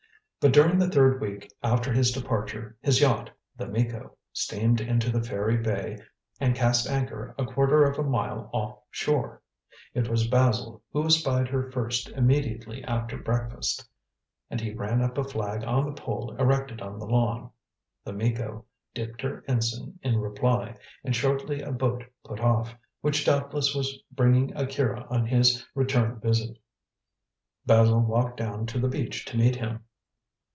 But during the third week after his departure, his yacht, The Miko, steamed into the fairy bay and cast anchor a quarter of a mile off shore. It was Basil who espied her first immediately after breakfast, and he ran up a flag on the pole erected on the lawn. The Miko dipped her ensign in reply, and shortly a boat put off, which doubtless was bringing Akira on his return visit. Basil walked down to the beach to meet him.